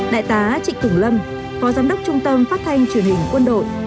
đại tá trịnh củng lâm phó giám đốc trung tâm phát thanh truyền hình quân đội